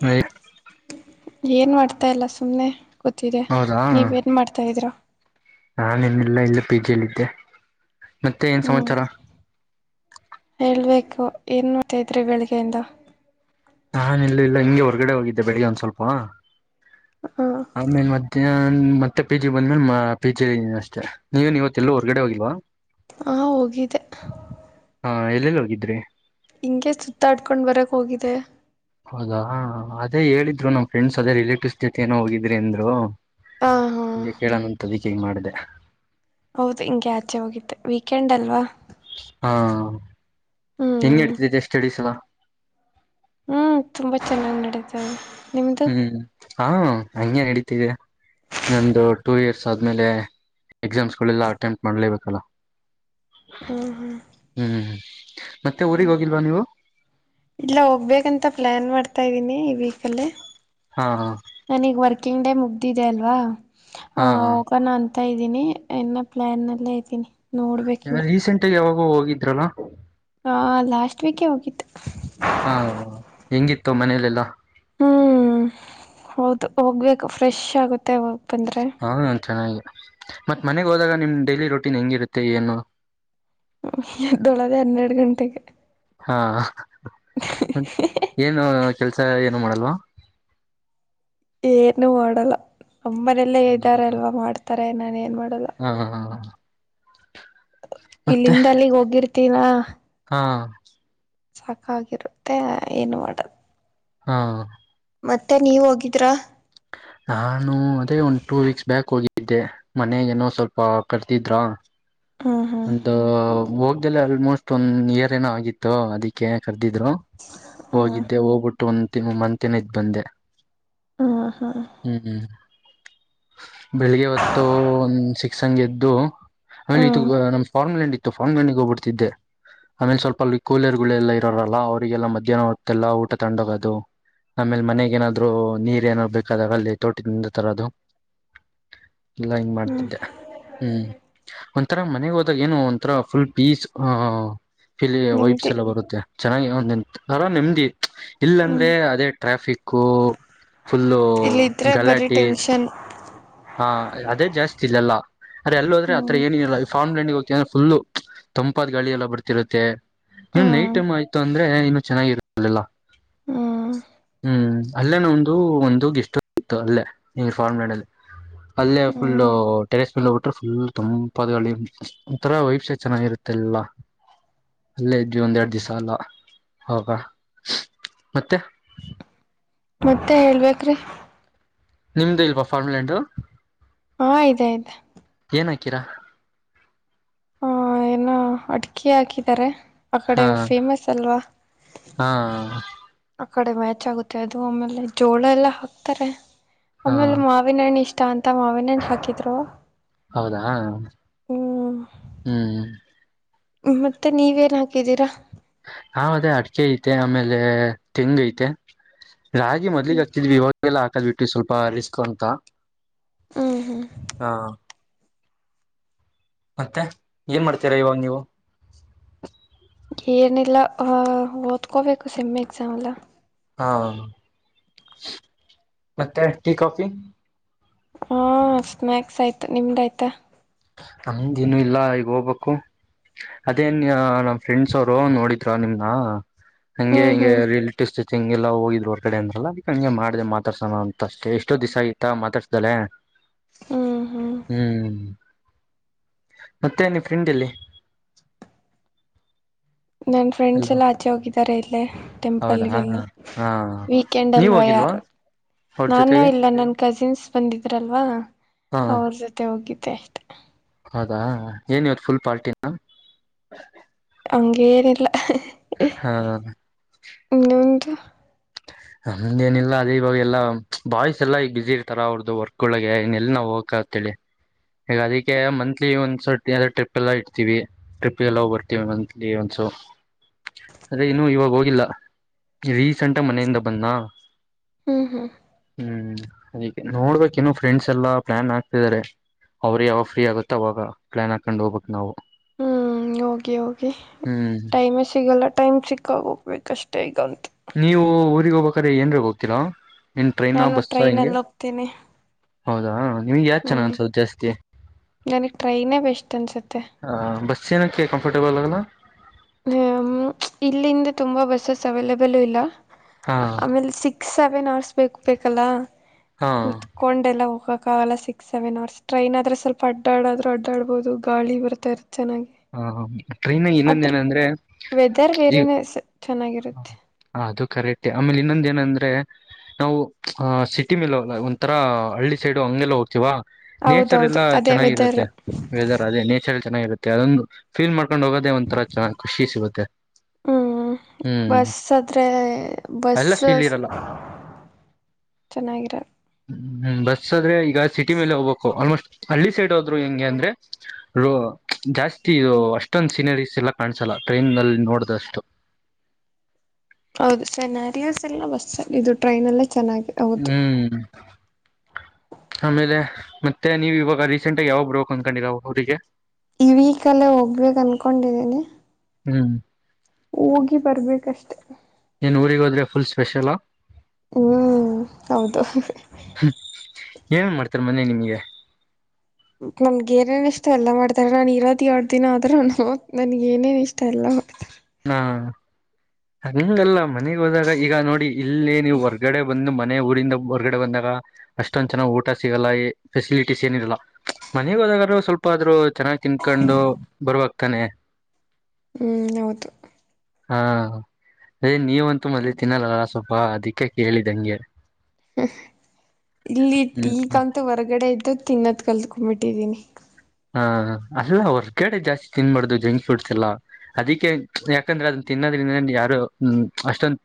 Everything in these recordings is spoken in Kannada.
ಹ [unintelligible] ಏನ್ ಮಾಡ್ತಾ ಇಲ್ಲ ಸುಮ್ಮ್ನೆ ಹೌದಾ ನಾವೆನಿಲ್ಲ ಇಲ್ಲಿ ಪಿಜಿ ಯಲ್ಲಿದ್ದೆ. ಮತ್ತೆ ಏನ್ ಸಮಾಚಾರ ಹೇಳಬೇಕು ಏನ್ಮಾಡ್ತಾಯಿದ್ರಿ ಬೆಳಿಗ್ಗೆಯಿಂದ. ನಾನ್ ಎಲ್ಲು ಇಲ್ಲ ಹಿಂಗೇ ಹೊರಗಡೆ ಹೋಗಿದ್ದೆ, ಬೆಳಿಗ್ಗೆ ಒಂದ್ ಸ್ವಲ್ಪ. ಹ ಆಮೇಲೆ ಮತ್ತೆ ಮತ್ತೆ ಪಿ ಜಿ ಬಂದ್ಮೇಲೆ ಪಿ ಜಿ ಅಷ್ಟೇ ನೀವನ್ ಇವತ್ತೆಲ್ಲು ಹೊರಗಡೆ ಹೋಗಿಲ್ವಾ? ಹಾ ಹೋಗಿದ್ದೆ. ಹ ಎಲ್ಲೆಲ್ಲಿ ಹೋಗಿದ್ರಿ ಹಿಂಗೇ ಸುತ್ತಾಡ್ಕೊಂಡ್ ಬರಕ್ ಹೋಗಿದೆ. ಹೌದಾ ಅದೇ ಹೇಳಿದ್ರು ನಮ್ ಫ್ರೆಂಡ್ಸ್ ಅದೇ ರಿಲೇಟಿವ್ಸ್ ಜೊತೆ ಏನೋ ಹೋಗಿದ್ರಿ ಅಂದ್ರು. ಹ ಹಾ ನಿಂಗೆ ಕೇಳೋಣ ಅಂತ ಅದಿ ಕ್ಕೆ ಮಾಡಿದೆ ಹೌದು ಹಿಂಗೆ ಆಚೆ ಹೋಗಿದ್ದೆ ವೀಕೆಂಡ್ ಅಲ್ವಾ? ಹಾ ಹೆಂಗ್ ಹ್ಮ್ ನೆಡಿತಿದೆ ಸ್ಟಡೀಸ್ ಎಲ್ಲ? ಹ್ಮ್ ತುಂಬಾ ಚೆನ್ನಾಗ್ ನಡೀತವೆ. ಹ್ಮ್ ಹಾ ಹಂಗೇನ್ ನಡೀತಿದೆ ಇನ್ನೊಂದು ಟೂ ಇಯರ್ಸ್ ಆದ್ಮೇಲೆ ಎಕ್ಸಾಮ್ಸ್ ಎಲ್ಲಾ ಅಟೆಂಪ್ಟ ಮಾಡ್ಲೇಬೇಕಲ್ಲ. ಹಾ ಹಾ ಹ್ಮ್ ಹ್ಮ್ ಮತ್ತೆ ಊರಿಗೆ ಹೋಗಿಲ್ವಾ ನೀವು? ಇಲ್ಲ ಹೋಗ್ಬೇಕಂತ ಪ್ಲಾನ್ ಮಾಡ್ತಾ ಇದ್ದೀನಿ ಈ ವೀಕ್ ಅಲ್ಲಿ. ಹಾ ಹಾ ಕಿಂಗ್ ಡೇ ಮುಗ್ದಿದೆ ಅಲ್ವಾ? ಹ ಹಾ ಹೋಗೋಣ ಅಂತ. ಅಂತ ಇದ್ದೀನಿ ಇನ್ನ ಪ್ಲನ್ ಅಲ್ಲೇ ಇದೀನಿ. ಏನ ರೀಸೆಂಟಾಗ್ ಯಾವಾಗ್ ಓ ಹೋಗಿದ್ರಲ್ಲ? ಹಾಂ ಲಾಸ್ಟ್ ವೀಕೇ ಹೋಗಿದ್ದು. ತು ಮನೇಲೆಲ್ಲ ಹ್ಮ್ ಹೌದು ಹೋಗಬೇಕು ಫ್ರೆಶ್ ಆಗುತ್ತೆ ಅವಾಗ್ ಹಾಂ ಚೆನ್ನಾಗಿ ಮತ್ ಮನೆಗ್ ಹೋದಾಗ ನಿಮ್ ಡೈಲಿ ರೊಟೀನ್ ಹೆಂಗಿರುತ್ತೆ ಏನು? ಎದ್ದೋಳದೆ ಹನ್ನೆರ್ಡ್ ಗಂಟೆೆಗೆ ಹಾ ಏನು ಕೆಲ್ಸ ಏನು ಮಾಡಲ್ವಾ? ಏನು ಮಾಡಲ್ಲ. ನಮ್ಮನೇಲೇ ಇದ್ದಾರಲ್ವಾ ಮಾಡ್ತಾರ್ ಟ ನಾನ್ ಏನ್ ಮಾಡ್ ಹಾಂ ಹಾಂ ಹಾಂ ಹಾಂ [unintelligible] ಇಲ್ಲಿಂದ ಅಲ್ಲಿಗ್ ಹೋಗಿರ್ ತ್ತಿನ ಹಾಂ ಸಾಕಾಗಿರುತ್ತೆ ಏನು ಮಾಡಲ್ ಹಾಂ ಮತ್ತೆ ನೀವ್ ಹೋಗಿದ್ರಾ? ನಾನು ಅದೇ ಒಂದ್ ಟೂ ವೀಕ್ಸ್ ಬ್ಯಾಕ್ ಹೋಗಿದ್ದೆ. ಮನೆಗೇನೋ ಸ್ವಲ್ಪ ಕರ್ದಿದ್ರ ಹ್ಮ್ ಒಂದು ಹೋಗ್ದಲೆ ಆಲ್ಮೋಸ್ಟ್ ಒನ್ ಇಯರ್ ಏನೋ ಆಗಿತ್ತು ಅದಿಕ್ಕೆ ಕರ್ದಿದ್ರು ಹ್ಮ್ ಹೋಗಿದ್ದೆ. ಹೋಗ್ಬಿಟ್ ಟು ಒನ್ ಮಂತೇನೊ ಇದ್ ಬಂದೆ. ಹ್ಮ್ ಹ್ಮ್ ಹ್ಮ್ ಹ್ಮ್ ಬೆಳಿಗ್ಗೆ ಹೊತ್ತು ಒಂದು ಸಿಕ್ಸ್ ಆಂಗ್ ಎದ್ ದು ಹ್ಮ್ [unintelligible] ತು ಫಂಡ್ ಮನಿಗ್ ಹೋಗ್ಬಿಡ್ತಿದ್ದೆ. ಆಮೇಲ್ ಸ್ವಲ್ಪ ಅಲ್ಲಿ ಕೂಲರ್ ಗಳೆಲ್ಲ ಇರೋರಲ್ಲ ಅವರಿಗೆಲ್ಲಾ ಮಧ್ಯಾಹ್ನ ಹೊತ್ತೆಲ್ಲಾ ಊಟ ತಗೊಂಡ್ ಹೋಗದು ಆಮೇಲ್ ಮನೆಗೇನಾದ್ರು ನೀರ್ ಏನಾರ ಬೇಕಾದಾಗ ಅಲ್ಲಿ ತೋಟದಿಂದ ತರದು ಎಲ್ಲ ಹಿಂಗ್ ಹ್ಮ್ ಮಾಡ್ತಿದ್ದೆ ಹ್ಮ್ ಒಂಥರಾ ಮನೆಗ್ ಹೋದಾಗ ಏನೊ ಒಂಥರ ಫುಲ್ ಪೀಸ್ ಆ ಫಿಲಿ ವೈಬ್ಸ್ ನೆಮ್ಮದಿ ಎಲ್ಲ ಬರುತ್ತೆ ಚೆನ್ನಾಗಿ ಏನೊ ಒಂತರ ನೆಮ್ದಿ ಇತ್ತು. ಹ್ಮ್ ಇಲ್ಲಂದ್ರೆ ಅದೇ ಟ್ರಾಫಿಕ್ಕೂ ಫುಲ್ಲು ಇಲ್ಲಿ ಇದ್ರೆ ಬರೀ ಗಲಾಟಿ ಟೆನ್ಷನ್ ಹಾಂ ಅದೇ ಜಾಸ್ತಿ ಇಲ್ಲೆಲ್ಲ. ಆದ್ರೆ ಅಲ್ ಹೋದ್ರೆ ಆತರ ಹ್ಮ್ ಏನಿರಲ್ಲ ಫಾರ್ಮ್ಲ್ಯಾಂಡ್ಗೆ ಹೋಗ್ತೀನಿ ಅಂದ್ರೆ ಫುಲ್ಲು ತಂಪಾದ ಗಾಳಿ ಎಲ್ಲ ಬರ್ತಿರುತ್ತೆ. ಹ್ಮ್ ನೈಟ್ ಟೈಮ್ ಆಯ್ತು ಅಂದ್ರೆ ಇನ್ನು ಚೆನ್ನಾಗಿರತ್ತಲ್ಲೆಲ್ಲ. ಹ್ಮ್ ಹ್ಮ್ ಅಲ್ಲೇನೆ ಒಂದು ಒಂದು ಗೆಸ್ಟ್ ಹೌಸ್ ಇತ್ತಲ್ಲೇ ಫಾರ್ಮ್ಲ್ಯಾಂಡ್ ಅಲ್ಲಿ. ಅಲ್ಲೇ ಫುಲ್ಲ ಹ್ಮ್ ಟೆಸ್ಟ್ ನೋಡ್ಬೀಟು ಫುಲ್ ತಂಪ ಒಥರ ವಪ್ಸ ಚೆನ್ನಾಗಿರುತ್ತೆಲ್ಲ ಅಲ್ಲೇ ಇದ್ವಿ ಒಂದೆರಡು ದಿವಸ ಅಲ್ಲ ಹ ಮತ್ತೆ ಮತ್ತೆ ಹೇಳ್ಬೇಕ್ರೀ [unintelligible] ನಿಮ್ದು ಇಲ್ವಾ ಫಾರ್ಮುಲಂಡು [unintelligible] ಹಾ ಇದೆ ಇದೆ ಏನಕೀರಾ ಹಾ ಏನ ಅಡ್ಕೆ ಹಾಕಿದಿದ್ದಾರೆ ಆ ಹಾ ಕಡೆ ಫೇಮಸ್ ಅಲ್ವಾ ಹಾ ಆ ಕಡೆ ಮ್ಯಾಚ್ ಆಗುತ್ತೆ ಅದು ಆಮೇಲೆ ಜೋಳ ಎಲ್ಲ ಹಾಕ್ತಾರೆ ಹಾ ಆಮೇಲೆ ಮಾವಿನ ಹಣ್ಣು ಇಷ್ಟ ಇಷ್ಟಾ ಅಂತ ಮಾವಿನ ಹಣ್ಣು ಹಾಕಿದ್ರು ಹೌದಾ ಹ್ಮ್ ಹ್ಮ್ [unintelligible] ಮತ್ತೆ ನೀವೇನ್ ಹಾಕಿದ್ದೀರಾ ನಾವ ಅದೇ ಅಡಿಕೆ ಐತೆ ಆಮೇಲೆ ತೆಂಗು ಐತೆ ರಾಗಿ ಹ್ಮ್ ಮದ್ಲಿಗಗ್ತಿ ವಿವಾಗಲ್ಲ ಅದು ಬಿಟ್ಟು ಸ್ವಲ್ಪ ರಿಸ್ಕ್ ಅಂತ ಹ್ಮ್ [unintelligible] ಹಾ ಮತ್ತೆ ಏನ್ ಮಾಡ್ತೀರಾ ಇವಾಗ ನೀವು ಏನಿಲ್ಲ ಅ ಓದ್ಕೋಬೇಕು ಸೆಮ್ಮಿ ಎಕ್ಸಾಮ್ ಎಲ್ಲ ಹಾ ಮತ್ತೆ ಟೀ ಕಾಫಿ [unintelligible] ಹ್ಮ್ ಸ್ನಾಕ್ಸ್ ಆಯ್ತು ನಿಮ್ದ ಆಯ್ತಾ ನಮ್ದೇನು ಇಲ್ಲ ಈಗ ಹೋಗ್ಬೇಕು [unintelligible] ಅದೇನ್ ನಮ್ ಫ್ರೆಂಡ್ಸ್ ಅವರು ನೋಡಿದ್ರ ನಿಮ್ನ [unintelligible] ಹಂಗೆ ಹ್ಮ್ ಹಿಂಗೆ ಹ್ಮ್ ರಿಲೇಟಿವ್ಸ್ ಹಂಗೆಲ್ಲ ಹೋಗಿದ್ರು ಹೊರ್ಗಡೆ ಅಂದ್ರಲ್ಲ ಈ ಹಂಗೆ ಮಾಡ್ದ ಮಾತಾಡ್ಸಣ ಅಂತ ಅಷ್ಟೆ ಎಷ್ಟೋ ದಿವಸ ಆಯತ ಮಾತಾಡ್ಸ್ದಲೆ [unintelligible] ಹ್ಮ್ [unintelligible] ಮತ್ತೆ ನಿಮ್ ಫ್ರೆಂಡ್ ಎಲ್ಲಿ ನನ್ ಫ್ರೆಂಡ್ಸ್ ಹಲೋ ಎಲ್ಲ ಆಚೆ ಹೋಗಿದ್ದಾರೆ ಇಲ್ಲೇ ಹೌದಾ ಟೆಂಪಲ್ಗೆಲ್ಲ ಹಾ ವೀಕೆಂಡ್ ನೀವು ಅಲ್ವಾ ಹೋಗಿಲ್ವಾ ಯಾರು ಅವ್ರ ನಾನು ಜೊತೆಗೆ ಇಲ್ಲ ನನ್ ಕಜಿನ್ಸ್ ಬಂದಿದ್ರಲ್ವಾ ಹಾ ಅವ್ರ ಜೊತೆ ಹೋಗಿದ್ಧೇ ತೆತ್ [unintelligible] ಹೌದಾ ಏನ್ ಇವತ್ ಫುಲ್ ಪಾರ್ಟಿನ ಹಂಗೇನಿಲ್ಲ ಹಾ [unintelligible] ನ್ನಂದು [unintelligible] ಹಂಗೆನಿಲ್ಲ ಅದೇ ಇವಾಗ ಎಲ್ಲ ಬಾಯ್ಸ್ ಎಲ್ಲಾ ಈ ಬ್ಯಸಿ ಇರ್ತಾರ ಅವ್ರ್ದು ವರ್ಕ್ ಒಳಗೆ ಇ ಎಲ್ಲ ನಾವವು ಹೋಗಕ ಅಂತಿ ಈಗ ಅದಕ್ಕೆ ಮಂತ್ಲಿ ಒಂದಸ ಟ್ರಿಪ್ ಎಲ್ಲ ಇಡ್ತೀವಿ ಟ್ರಿಪ್ಗೆಲ್ಲ ಬರ್ತವಿ ಮಂತ್ಲಿ ಒಂದಸ ಅದೇ ಇನು ಇವಾಗ ಹೋಗಿಲ್ಲ ರೀಸೆಂಟ್ ಮನೆಯಿಂದ ಬನ್ನ [unintelligible] ಹ್ಮ್ ಹ್ಮ್ [unintelligible] ಹ್ಮ್ [unintelligible] ನೋಡ್ಬೇಕ ನ ಫ್ರೆಂಡ್ಸ್ ಎಲ್ಲಾ ಪ್ಲಾನ್ ಆಗ್ತಿದಿದ್ದಾರೆ ಅವ್ರ ಯಾವಾಗ ಫ್ರೀ ಆಗುತ್ತ ಅವಾಗ ಪ್ಲಾನ್ ಹಾಕೊಂಡ್ ಹೋಗ್ಬೇಕಕ್ ನಾವು ಓಕೆ ಓಕೆ ಹ್ಮ್ ಟೈಮ್ ಸಿಗಲ್ಲ ಟೈಮ್ ಸಿ [unintelligible] ಕಗೋಗ್ಬೇಕಷ್ಟೇ ಈಗಂತ ನೀವು ಊರಿಗೆ ಹೋಗ್ಬೇಕ್ರೆ ಏನ್ರಾಗ ಹೋಗ್ತಿರ ನಾನು ಟ್ರೈನ್ಲ್ಲಿ ಹೋಗ್ತೇನೆ ಹೌದಾ ನಿಮಗೆ ಯಾವ್ದು ಚೆನ್ನಾಗಿ ಅನ್ಸೋದು ಜಾಸ್ತಿ ನನಗ್ ಟ್ರೈನೇ ಬೆಸ್ಟ್ ಅನ್ಸುತ್ತೆ ಹ ಬಸ್ ಏನ್ನಕ್ಕೆ ಕಂಫರ್ಟೇಬಲ್ ಅಗಲ ಹ ಇಲ್ಲಿಂದ ತುಂಬಾ ಬಸ್ಸಸ್ ಅವೈಲಬಲ್ ಇಲ್ಲ ಹಾ ಆಮೇಲೆ ಸಿಕ್ಸ್ ಸೆವೆನ್ ಅವರ್ಸ್ ಬೇಕು ಬೇಕಲ್ಲ ಹಾ ಕೂತ್ಕೊಂಡೆಲ್ಲ ಹೋಗ ಆಾಗಲ್ಲಾ ಸಿಕ್ಸ್ ಸೆವೆನ್ ಅವರ್ ಟ್ರೈನ್ ಆದ್ರೆ ಸ್ವಲ್ಪ ಅಡ್ಡ್ರ್ ಅಡ್ಡಡ್ಬೋುದು ಗಾಳಿ ಬರ್ತ ಇರುತ್ತೇ ಹ ಟ್ರೈನ್ ಇನ್ನೊಂದ ಏನ ಅಂದ್ರೆ ವೆದರ್ ಈ ಬೇರೆನೆ ಚೆನ್ನಾಗಿರುತ್ತೆ ಅದು ಕರೆಕ್ಟ್ ಆಮೇಲೆ ಇನ್ನೊಂದ ಏನಂದ್ರೆ ಅ್ರೆ ನಾವು ಅ ಸಿಟಿ ಮೇಲೆ ಒಂತರ ಹಳ್ಳಿ ಸೈಡು ಹಂಗೆಲ್ಲ ಹೋಗ್ತೀವಾ ನೇಚರ್ ಹೌದೌದು ಎಲ್ಲ ಅದೇ ವೆದರ್ ಚೆನ್ನಾಗಿರುತ್ತೆ ವೆದರ್ ಅದೇ ನೇಚರ್ ಚೆನ್ನಾಗಿ ಇರುತ್ತೆ ಮ ಅದೊಂದು ಫೀಲ್ ಮಾಡ್ಕೊಂಡ್ ಹೋಗೋದೇ ಒಂಥರ ಚ ಖುಷಿ ಸಿಗುತ್ತೆ ಹ್ಮ್ ಹ್ಮ್ ಬಸ್ ಅದ್ರೆ ಬಸ್ ಎಲ್ಲ ಫೀಲ್ ಇರಲ್ಲ ಚೆನ್ನಾಗಿರ ಹ್ಮ ಬಸ್ ಆದ್ರೆ ಈಗ ಸಿಟಿ ಮೇಲೆ ಹೋಗ್ಬೇಕು ಆಲ್ಮೋಸ್ಟ್ ಹಳ್ಳಿ ಸೈಡ್ ಹೋದ್ರು ಹೆಂಗೆ ಅಂದ್ರೆ ರ ಜಾಸ್ತಿ ಇದು ಅಷ್ಟೊಂದು ಸೀನರೀಸ್ ಎಲ್ಲ ಕಾಣಸಲ್ಲ ಟ್ರೈನ್ಲ್ಲಿ ನೋಡಿದಷ್ಟು ಹೌದು ಸೆನಾರಿಯಸ್ ಎಲ್ಲ ಬಸ್ ಅಲ್ಲಿ ಇದು ಟ್ರೈನ್ ಎಲ್ಲ ಹ್ಮ್ ಆಮೇಲೆ ಮತ್ತೆ ನೀವು ಇವಾಗ ರೀಸೆಂಟ್ ಆಗಿ ಯಾವಾಗ ಬರಬೇಕು ಅನ್ಕೊಂಡಿರಾ ಊರಿಗೆ ಈ ವಿಕಲ್ಲೇ ಹೋಗ್ಬೇಕೇ ಅನ್ಕೊಂಡಿದೀನಿ ಹ್ಮ್ ಹೋಗಿ ಬರ್ಬೇಕಷ್ಟೆ ಏನ್ ಊರಿಗೆ ಹೋದ್ರೆಫುಲ್ ಸ್ಪೆಷಲಾ ಹ್ಮ್ ಹೌದು ಏನ್ ಮಾಡ್ತಾರೆ ಮನೇಲಿ ನಿಮಗೆ ನನ್ಗ ಏನೇ ಏನ್ ಇಷ್ಟ ಎಲ್ಲಾ ಮಾಡ್ತಾರೆ ನಾನ್ ಇರೋದ ಎರಡ್ ದಿನ ಆದ್ರೂ ನು ನನ್ಗ ನೇನ್ ಇಷ್ಟ ಎಲ್ಲಾ ಮಾಡ್ತ ಹಾ ಹಂಗಲ್ಲ ಮನೆಗ್ ಹೋದಾಗ ಈಗ ನೋಡಿ ಇಲ್ಲೇ ನೀವು ಹೊರ್ಗಡೆ ಬಂದ ಮಧ್ಯೆ ಮನೆ ಊರಿಂದ ಹೊರ್ಗಡೆ ಬಂದಾಗ ಅಷ್ಟೊಂದ್ ಚೆನಾಗ್ ಊಟ ಸಿಗಲ್ಲ ಫೆಸಿಲಿಟೀಸ್ ಏನಿರಲ್ಲ ಮನೆಗೆ ಹೋದಾಗೂ ಸ್ವಲ್ಪ ಆದ್ರರು ಚೆನ್ನಾಗ್ ತಿನ್ಕೊಂಡು ಬರುವವಾಗ್ತಾನೆ ಹ್ಮ್ ಹೌದು ಹಾ ಅದೇ ನೀವಂತೂ ಮೊದಲೇ ತಿನ್ನಲ್ಲಲ್ಲಲ್ಲ ಸ್ವಲ್ಪ ಅದಿಕ್ಕೆ ಕೇಳಿದ್ದಂಗೆ ಇಲ್ಲಿ ಹ್ಮ್ ಈಗಂತ ಹೊರಗಡೆ ಇದ್ದು ತಿನ್ನದ್ ಕಲ್ಕೊ ಬಿಟ್ಟಿದ್ದೀನಿ ಹಾ ಅಲ್ಲ ಹೊರ್ಗಡೆ ಜಾಸ್ತಿ ತಿನ್ಬಾರ್ದು ಜಂಕ್ ಫ್ರೂಟ್ಸ್ ಎಲ್ಲ ಅದಕ್ಕೆ ಯಾಕಂದ್ರೆ ಅದನ್ನ ತಿನ್ನೋದ್ರಿಂದ ಯಾರು ಅಷ್ಟೊಂದ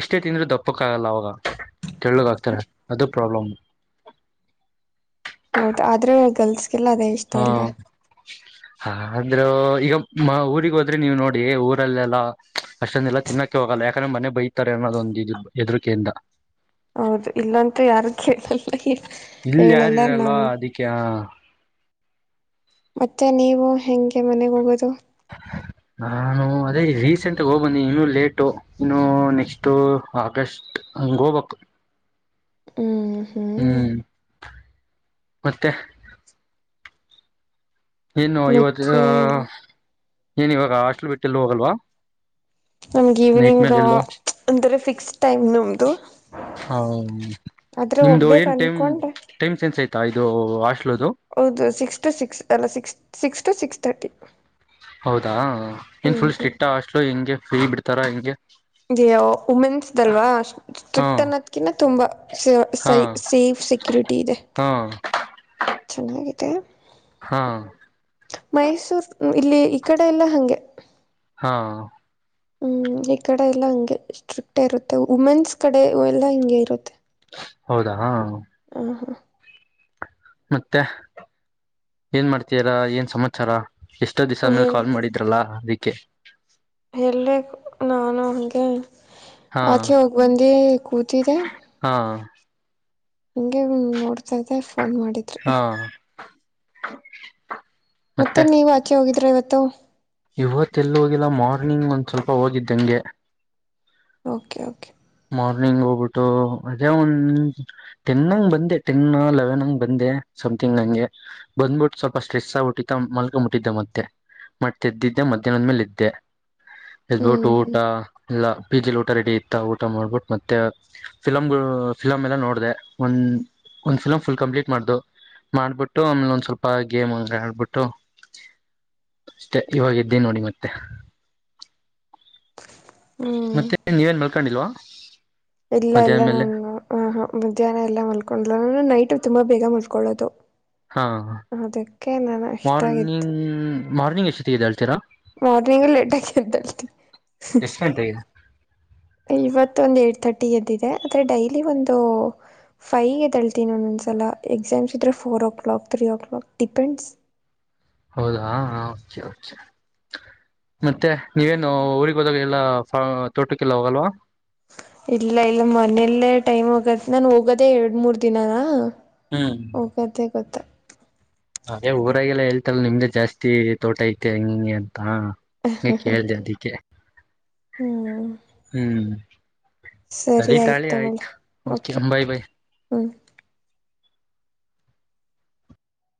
ಎಷ್ಟೇ ತಿಂದ್ರೂ ದಪ್ಪಕ್ಕ ಆಗಲ್ಲ ಅವಾಗ ತಳ್ಳಗ್ ಆಕ್ತಾರ ಅದು ಪ್ರಾಬ್ಲಮ್ ಹೌದ ಆದ್ರೆ ಗರ್ಲ್ಸ್ ಗೆಲ್ಲ ಅದೇ ಇಷ್ಟ ಅಲ್ವಾ ಹಾ ಅಂದ್ರ ಈಗ ಊರಿಗ್ ಹೋದ್ರೆ ನೀವ್ ನೋಡಿ ಊರಲ್ಲೆಲ್ಲಾ ಅಷ್ಟೊಂದೆಲ್ಲ ತಿನ್ನಕ್ಕೆೆ ಹೋಗಲ್ಲ ಯಾಕಂದ್ರೆ ಮನೆ ಬೈತಾರೆ ಅನ್ನೋದೊಂದ ಇದ್ರ ಎದರಿಕೆಯಿಂದ ಹೌದು ಇಲ್ಲಂತ ಯಾರು ಕೇಳಲ್ಲ ಇ ಇಲ್ಲಿ ಹೇಳಲ್ಲ ಯಾರಿದ್ರಲ್ಲ ನಮ್ ಅದಕ್ಕೆ ಮತ್ತೆ ನೀವು ಹೆಂಗೆ ಮನೆಗ್ ಹೋಗೋದು ನಾನು ಅದೇ ರೀಸೆಂಟ್ಗ ಹೋಗ್ಬನ್ನೆ ಇನ್ನುೂ ಲೇಟು ಇನ್ನು ನೆಕ್ಸ್ಟ್ ಆಗಸ್ಟ್ ಹಂಗ ಹೋಗ್ಬೇಕು ಹ್ಮ್ ಹ್ಮ್ ಮತ್ತೆ ಏನು ಇವತ್ತು ಮತ್ತೆ ಏನ್ ಇವಾಗ ಹಾಸ್ಟೆಲ್ ಬಿಟ್ಟ ಎಲ್ಲೂ ಹೋಗಲ್ವಾ ನಮ್ಗೆ ನೈಟ್ ಈವ್ನಿಂಗ್ ಮೇಲೆ ಎಲ್ಲೋ ಅಂತಾರೆ ಫಿಕ್ ನೆಕ್ಸ್ಟ್ ಟೈಮ್ ನಮದುು ಹ ನಿಮ್ದು ಹೋಗ್ಬೇಕ ಏನ್ ಟೈಮ್ ಅನ್ಕೊಂಡೆ ಟೈಮ್ ಸೆನ್ಸ್ ಆಯತ ಇದು ಅಷ್ಟ ಹೌದು ಸಿಕ್ಸ್ ಟು ಸಿಕ್ಸ್ ಎಲ್ಲ six six to six thirty ಹೌದಾ ಏನ್ ಫುಲ್ ಸ್ಟ್ರಿಕ್ಟ್ ಅ ಹಾಸ್ಟೆಲ್ ಹೆಂಗೆ ಫ್ರೀ ಬಿಡ್ತಾರಾ ಹೆಂಗೆ ಇದು ವಿಮೆನ್ಸ್ ದು ಅಲ್ವಾ ಹಾ ಸ್ಟ್ರಿಕ್ಟ್ ಅನ್ನೋದಕಿನ್ನ ತುಂಬಾ ಹಾ ಸೇಫ್ ಸೆಕ್ಯುರಿಟಿ ಇದೆ. ಹಾ ಚೆನ್ನಾಗಿ ಮತ್ತೆ ಹಾ ಮೈಸೂರ್ ಇಲ್ಲಿ ಈ ಕಡೆ ಎಲ್ಲಾ ಹಂಗೆ ಹಾ ಹ್ಮ್ ಈ ಕಡೆ ಎಲ್ಲಾ ಹಂಗೆ ಸ್ಟ್ರಿಕ್ಟ್ ಇರುತ್ತೆ. ವುಮೆನ್ಸ್ ಕಡೆ ಎಲ್ಲಾ ಹಿಂಗೆ ಇರುತ್ತೆ. ಹೌದಾ ಹಾ [unintelligible] ಮತ್ತೆ ಏನ್ ಮಾಡ್ತಿದೀರಾ ಏನ್ ಸಮಾಚಾರ ಎಷ್ಟೋ ದಿವ್ಸ ಆದ್ಮೇಲೆ ಕಾಲ್ ಮಾಡಿದ್ರಲ್ಲಾ ಓಕೆ ಇಲ್ಲೇ ನಾನು ಹಂಗೆ ಹಾ ಆಚೆ ಹೋಗಿ ಬಂದಿ ಕೂತಿದ್ದೆ ಹಾ ಹಂಗೆ ನೋಡ್ತಾದೆ ಫೋನ್ ಮಾಡಿದ್ರಿ ಹಾ ಮತ್ತೆ ನೀವು ಆಚೆ ಹೋಗಿದ ದ್ರ ಇವತ್ತು ಯುವತ್ ಎಲ್ಲ ಹೋಗಿಲ್ಲ ಮಾರ್ನಿಂಗ್ ಒಂದ್ ಸ್ವಲ್ಪ ಹೋಗಿದ್ದಂಗೆ ಓಕೆ ಓಕೆ ಮಾರ್ನಿಂಗ್ ಹೋಗ್ಬಿಟ್ಟು ಅದೇ ಒನ್ ಟೆನ್ಂಗ ಬಂದೆ ಟೆನ್ ಲೆವೆನ್ಂಗ ಬಂದೆ ಸಮಥಿಂಗ್ ಹಂಗೆ ಬಂದ್ಬಿಟ್ಟು ಸ್ವಲ್ಪ ಸ್ಟ್ರೆಸ್ ಆಗಬಿಟ್ಟಿದ್ದ ಮಲ್ಕೊ ಮುಟ್ಟಿದ್ದೆ ಮತ್ತೆ ಮತ್ತೆದ್ದಿದ್ದೆ ಮಧ್ಯಾಹ್ಂದ್್ಮೇಲೆ ಇದದ್ದೆ ಹ್ಮ್ ಎಡ್ಬಿಟ್ಟು ಊಟ ಹ್ಮ್ ಇಲ್ಲ ಪಿಜಿ ಲಿ ಊಟ ರೆಡಿ ಇತ್ತ ಮಾಡ್ಬಿಟ್ಟು ಮತ್ತೆ ಫಿಲಾಮ್ ಫಿಲಾಮ್ ಎಲ್ಲ ನೋ ಡಿದೆ ಒಂದ್ ಒಂದ್ ಫಿಲಂ್ ಫುಲ್ ಕಂಪ್ಲೀಟ್ ಮಾಡ್ದ ಮಾಡ್ಬಿಟ್ಟು ಆಮೇಲೆ ಒಂದ್ ಸ್ವಲ್ಪ ಗೇಮ್ ಆಬಿಟ್ಟು ಅಷ್ಟೆ ಇವಾಗ ಇದ್ದಿ ನೋಡಿ ಮತ್ತೆ ಹ್ಮ್ ಮತ್ತೆ ನೀವೇನ್ ಮಾಡರ್ ಕಡಿಲ್ವಾ ಇಲ್ಲ ಎಲ್ಲ ನು ಆ ಮಧ್ಯಾಹ್ನ ಎಲ್ಲಾ ಮಲ್ಕೊಂಡ್ ನೈಟ್ ತುಂಬಾ ಬೇಗ ಮಲ್ಕೊಳ್ಳೋದು ಹಾ ಅದಕ್ಕೆ ನಾನು ಇಷ್ಟ ಮಾರ್ನಿಂಗ್ ಮಾರ್ನಿಂಗ ಎಷ್ಟತ್ತಗದೆ ಅಳ್ತೀರ ಮೋರ್ನಿಂಗ್ ಲೇಟ್ ಆಗೆ ಅದೆಲ್ತೀನಿ ಎಷ್ಟ್ ಗಂಟೆಗೆ ಇವತ್ತು ಒಂದು ಏಟ್ ಥರ್ಟಿ ಎದ್ದಿದೆ ಆದರೆ ಡೈಲಿ ಒಂದು ಫೈವ್ ಎದ್ದಳ್ತೀನಿ ಒಂದೊಂದ್ಸಲ ಎಕ್ಸಾಮ್ಸ್ ಇದ್ರೆ four o'clock three o'clock depends ಹೌದಾ ಮತ್ತೆ ನೀವೇನು ಊರಿಗೆ ಹೋದಾಗ ಎಲ್ಲ ತೋಟಕ್ಕೆಲ್ಲ ಹೋಗಲ್ವಾ ಇಲ್ಲ ಇಲ್ಲ ಮನೆಯಲ್ಲೇ ಟೈಮ್ ಆಗತ್ ನನ್ ಹೋಗೋದೇ ಎರಡ್ ಮೂರ್ ದಿನಾನ ಹ್ಮ್ ಹೋಗೋಗತ್ತೆ ಗೊತ್ತ ಅದೇ ಊರಾಗೆಲ್ಲ ಹೇತಾರ ನಿಮ್ದ ಜಾಸ್ತಿ ತೋಟ ಐತೆ ಹೆಂಗ ಹಿಂಗೆ ಹಾ ಹಗೆ ಕೇಳ್ದ ಅದಿಕ್ಕೆ ಹ್ಞೂ ಸರಿ ಆಯ್ತು ಹ್ಮ